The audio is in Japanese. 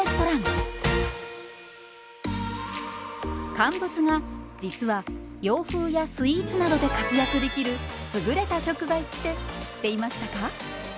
乾物が実は洋風やスイーツなどで活躍できる優れた食材って知っていましたか？